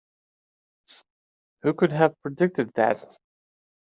Who could have predicted that?